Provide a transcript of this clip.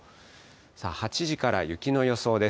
さあ、８時から雪の予想です。